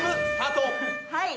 はい。